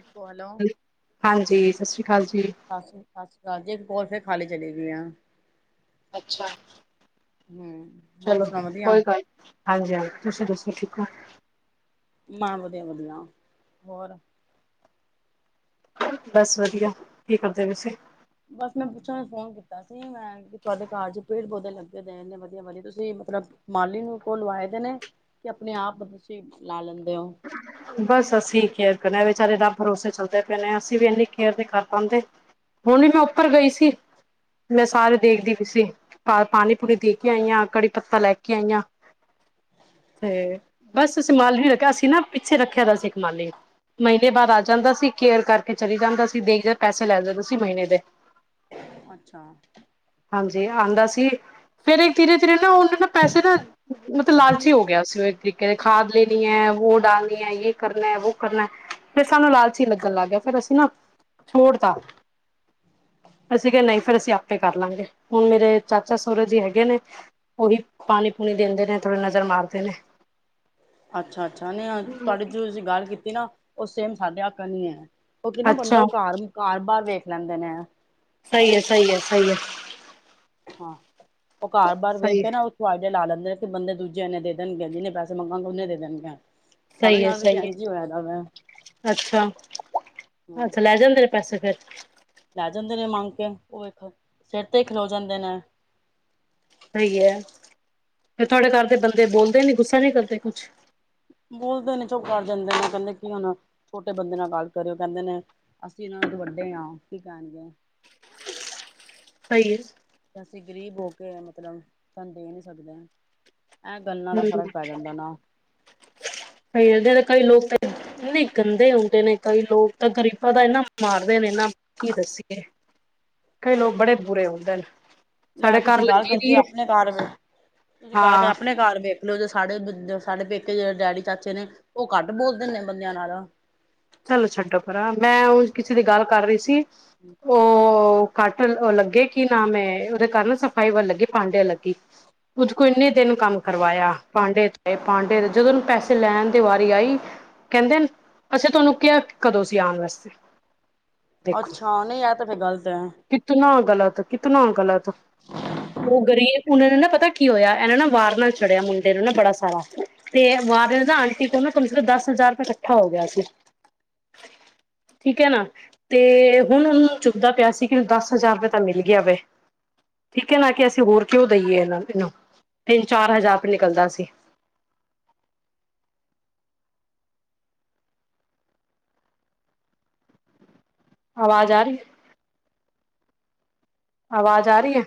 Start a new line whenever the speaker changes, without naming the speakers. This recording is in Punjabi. ਹੈਲੋ।
ਹਾਂਜੀ, ਸਤਿ ਸ਼੍ਰੀ ਅਕਾਲ ਜੀ।
ਸਤਿ ਸਤਿ ਸ੍ਰੀ ਅਕਾਲ ਜੀ, ਇੱਕ ਕੋਲ ਫੇਰ ਖਾਲੀ ਚੱਲੇ ਗਏ ਆ।
ਅੱਛਾ,
ਹੂੰ, ਹੋਰ
ਚਲੋ
ਸੁਣਾ ਵਧੀਆ?
ਕੋਈ ਗੱਲ ਨਹੀਂ। ਹਾਂਜੀ, ਹਾਂਜੀ ਤੁਸੀਂ ਦੱਸੋ ਠੀਕ ਹੋ।
ਮੈ ਵਧੀਆ, ਵਧੀਆ ਹੋਰ
ਬਸ ਵਧੀਆ- ਕੀ ਕਰਦੇ ਤੁਸੀਂ
ਬਸ ਮੈਂ ਪੁੱਛਨ ਵਾਸਤੇ ਫੋਨ ਕੀਤਾ ਸੀ, ਮੈਂ ਤੁਹਾਡੇ ਘਰ ਚ ਪੇੜ ਪੌਦੇ ਲੱਗੇ ਹੋਏ ਇਨੇ ਵਧੀਆ, ਵਧੀਆ ਤੁਸੀਂ ਮਤਲਬ ਮਾਲੀ ਕੋਲ ਲਵਾਏ ਦੇ ਨੇ, ਕਿ ਆਪਣੇ ਆਪ ਤੁਸੀਂ ਲਾ ਲੈਂਦੇ ਹੋ।
ਬਸ ਅਸੀਂ ਕੇੇਅਰ ਕਰਦੇ ਹਾਂ ਵਿਚਾਰੇ, ਰੱਬ ਭਰੋਸੇ ਚੱਲਦੇ ਪਏ ਨੇ ਅਸੀਂ ਵੀ ਇੰਨੀ ਕੇੇਅਰ ਨਹੀ ਕਰ ਪਾਉਂਦੇ ਹੁਣ ਮੈਂ ਉੱਪਰ ਗਈ ਸੀ। ਮੈਂ ਸਾਰੇ ਦੇਖਦੀ ਪਈ ਸੀ ਪਾਣੀ ਪੂਣੀ ਦੇ ਕੇ ਆਈ ਆਂ, ਕੜੀ ਪੱਤਾ ਲੈ ਕੇ ਆਈ ਆਂ। ਤੇ ਬਸ ਮਾਲੀ ਰੱਖਿਆ ਅਸੀਂ ਨਾ ਪਿੱਛੇ ਰੱਖਿਆ ਦਾ ਸੀ ਮਾਲੀ। ਮਹੀਨੇ ਬਾਅਦ ਆ ਜਾਂਦਾ ਸੀ ਕੇਅਰ ਕਰਕੇ ਚਲੀ ਜਾਂਦਾ ਸੀ, ਦੇਖਦੇ ਪੈਸੇ ਲੈ ਜਾਂਦੇ ਸੀ ਮਹੀਨੇ ਦੇ।
ਅੱਛਾ।
ਹਾਂਜੀ ਆਉਂਦਾ ਸੀ, ਫਿਰ ਧੀਰੇ ਧੀਰੇ ਨਾ ਉਹਨਾਂ ਨਾ ਪੈਸੇ ਨਾ ਮਤਲਬ ਲਾਲਚੀ ਹੋ ਗਿਆ ਸੀ, ਉਹ ਇੱਕ ਤਰੀਕੇ ਦੇ ਖਾਦ ਲੈਣੀ ਹੈ। ਉਹੋ ਡਾਲਨੀ ਹੈ ਯ ਕਰਨਾ, ਵੋ ਕਰਨਾ ਫਿਰ ਸਾਨੂੰ ਲਾਲਚੀ ਲੱਗਣ ਲੱਗ ਗਿਆ ਫੇਰ ਅਸੀਂ ਨਾ ਛੋੜਦਾ। ਅਸੀਂ ਕਿਹਾ ਨਹੀਂ ਫਿਰ ਅਸੀਂ ਆਪੇ ਕਰ ਲਾਂਗੇ, ਹੁਣ ਮੇਰੇ ਚਾਚਾ ਸਹੁਰਾ ਜੀ ਹੈਗੇ ਨੇ ਉਹੀ ਪਾਣੀ ਪੂਣੀ ਦਿੰਦੇ ਨੇ, ਥੋੜੀ ਨਜ਼ਰ ਮਾਰਦੇ ਨੇ
ਅੱਛਾ, ਅੱਛਾ ਨਹੀਂ ਤੁਹਾਡੀ ਜੋ ਤੁਸੀਂ ਗੱਲ ਕੀਤੀ ਨਾ -ਉਹ ਸੇਮ ਸਾਡੇ ਵਕਨ ਹੀ ਹੈ। ਉਹ ਕੀ ਨਾ ਬੰਦਾ
ਅੱਛਾ
ਉਹ ਘਰ ਬਾਹਰ ਵੇਖ ਲੈਂਦੇ ਨੇ।
ਸਹੀ ਹੈ, ਸਹੀ ਹੈ ਸਹੀ ਹੈ।
ਹਾਂ ਉਹ ਘਰ ਬਾਹਾਰ ਵੇਖ
ਸਹੀ
ਕੇ ਨਾ ਫੇ ਲਾ ਲੈਂਦੇ ਬੰਦੇ ਦੂਜੇ ਨੇ ਦੇਣਗੇ, ਜਿੰਨੇ ਪੈਸੇ ਮੰਗਾਂਗੇ ਉਹਨੇ ਦੇਣਗੇ ਸਾਡੇ
ਸਹੀ ਹੈ
ਨਾਲ ਵੀ
ਸਹੀ
ਐੰਜ
ਹੈ
ਹੋਇਆ ਦਾ ਵਾ
ਅੱਛਾ
ਹੂੰ
ਅੱਛਾ ਲੈ ਜਾਂਦੇ ਪੈਸੇ ਫੇਿਰ
ਲੈ ਜਾਂਦੇ ਨੇ ਮੰਗ ਕੇ ਉਹ ਇੱਕ ਸਿਰ ਤੇ ਖਲੋ ਜਾਂਦੇ ਨੇ
ਸਹੀ ਹੈ ਫ ਤੁਹਾਡੇ ਘਰ ਦੇ ਬੰਦੇ ਬੋਲਦੇ ਨੀ, ਗੁੱਸਾ ਨੀ ਕਰਦੇ ਕੁਛ
ਬੋਲਦੇ ਨੇ ਚੁਪ ਕਰ ਜਾਂਦੇ ਨੇ ਕਹਿੰਦੇ ਕੀ ਹਣ ਛੋਟੇ ਬੰਦੇ ਨਾਲ ਗੱਲ ਕਰਿਓ ਕਹਿੰਦੇ ਨੇ ਅਸੀਂ ਉਹਨਾਂ ਨੂੰ ਤੋ ਵੱਡੇ ਹਾਂ, ਕੀ ਕਹਿਣਗੇ
ਸਹੀ ਹ।
ਅਸੀਂ ਗ਼ਰੀਬ ਹੋ ਕੇ ਮਤਲਬ ਤੁਹਾਨੂੰ ਦੇ ਨੀ ਸਕਦੇ ਇਹਂ ਗੱਲਾਂ ਦਾ ਫ਼ਰਕ ਪੈ ਜਾਂਦਾ ਨਾ
ਕਈ ਜਿਹੜੇ ਕਈ ਲੋਕ ਤਾਂ ਇਨੇ ਗੰਦੇ ਕਈ ਲੋਕ ਤਾਂ ਗਰੀਬਾਂ ਦਾ ਇਹਨਾ ਮਾਰਦੇ ਨੇ, ਇਹਨਾਂ ਕੀ ਦੱਸੀਏ ਕਈ ਲੋਕ ਬੜੇ ਬੁਰੇ ਹੁੰਦੇ ਨੇ
ਲੈ
ਸਾਡੇ ਘਰ
ਤੁਸੀਂ ਗੱਲ
ਲੱਗੀ ਦੀ
ਕਰਦੇ
ਏ
ਆਪਣੇ ਘਰ ਵੇਖ, ਤੁਸੀਂ ਗੱਲ ਕਰ
ਹਾਂ
ਆਪਣੇ ਘਰ ਵ ਲੈ ਜ ਸਾਡੇ ਸਾਡੇ ਪੇਕੇ ਜਿਹੜੇ ਡੈਡੀ ਚਾਚੇ ਨੇ-ਉਹ ਘੱਟ ਬੋਲਦੇ ਨੇ ਬੰਦਿਆਂ ਨਾਲ
ਚੱਲ ਛੱਡੋ ਪਰਾ- ਮੈਂ ਉ ਕਿਸੇ ਦੀ ਗੱਲ ਕਰ ਰਹੀ ਸੀ।
ਹਮ।
ਉਹ ਕੱਟ ਲੱਗੇ ਕਿ ਨਾ ਮੈਂ ਉਹਦੇ ਕਾਰਨ ਸਫ਼ਾਈ ਵੱਲ ਲੱਗੀ, ਭਾਂਡੇ ਲੱਗੀ। ਕੁਝ ਕੋ ਇੰਨੇ ਦਿਨ ਕੰਮ ਕਰਵਾਇਆ ਪਾਂਡੇਏ ਪਾਂਡੇ ਜਦੋਂ ਪੈਸੇ ਲੈਣ ਦੀ ਵਾਰੀ ਆਈ ਕਹਿੰਦੇ ਨੇ ਤੁਹਾਨੂੰ ਕਿਹਾ ਕਦੋਂ ਸੀ ਆਉਣ ਵਾਸਤੇ ਦੇਖੋ
ਅੱਛਾ, ਨਹੀਂ ਇਹ ਤੇ ਫੇਰ ਗ਼ਲਤ ਐ।
ਕਿਤਨਾ ਗ਼ਲਤ, ਕਿਤਨਾ ਗਲਤ ਉਹ ਗ਼ਰੀਬ ਉਹਨਾਂ ਨੂੰ ਨਾ ਪਤਾ ਕੀ ਹੋਇਆ, ਇਹਨਾਂ ਨਾ ਵਾਰ ਨਾਲ ਚੜਿਆ ਮੁੰਡੇ ਨੂੰ ਨਾ ਬੜਾ ਸਾਰਾ। ਤੇ ਵਾਰ ਨਾ ਆਂਟੀ ਕੋ ਨਾ ਕਮ ਸੇ ਕਮ ਦਸ ਹਜ਼ਾਰ ਰੁਪਏ ਕੱਠਾ ਹੋ ਗਿਆ ਸੀ। ਠੀਕ ਐ ਨਾ, ਤੇ ਹੁਣ ਉਹਨੂੰ ਚੁਭਦਾ ਪਿਆ ਸੀ ਕਿ ਮੈਨੂੰ ਦਸ ਹਜ਼ਾਰ ਰੁਪਏ ਤਾਂ ਮਿਲ ਗਿਆ ਵੈ। ਠੀਕ ਐ ਨਾ ਕਿ ਅਸੀਂ ਹੋਰ ਕਿਉਂ ਦਈਏ ਇਹਨਾਂ ਇਹਨੂੰ, ਤਿੰਨ ਚਾਰ ਹਜ਼ਾਰ ਰੁਪਏ ਨਿਕਲਦਾ ਸੀ। ਆਵਾਜ਼ ਆਰੀ ਐ। ਆਵਾਜ਼ ਆਰੀ ਐ।